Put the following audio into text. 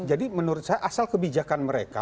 jadi menurut saya asal kebijakan mereka